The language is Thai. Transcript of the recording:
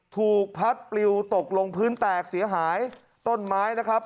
ถูกพัดปลิวตกลงพื้นแตกเสียหายต้นไม้นะครับ